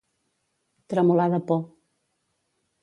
Tremolar de por.